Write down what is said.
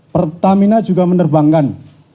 pertamina juga menerbangkan